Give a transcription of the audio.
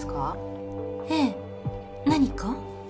ええ。何か？